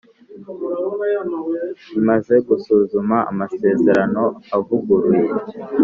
Imaze gusuzuma amasezerano avuguruye